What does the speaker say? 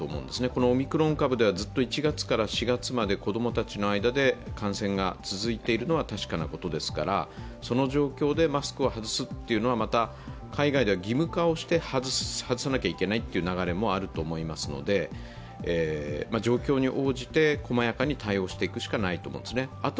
このオミクロン株では１月から４月まで子供たちの間で感染が続いているのは確かなことですから、その状況でマスクを外すというのはまた海外では義務化をして外さなきゃいけないという流れもあると思いますので状況に応じて、細やかに対応していくしかないと思いますね。